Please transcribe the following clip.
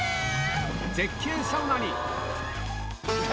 絶景サウナに。